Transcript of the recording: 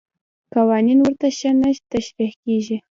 قوانین ورته ښه نه تشریح کېږي.